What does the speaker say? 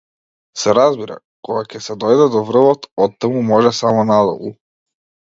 Се разбира, кога ќе се дојде до врвот, оттаму може само надолу.